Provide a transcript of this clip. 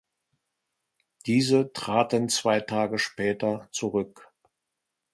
Diese traten zwei Tage später zurück.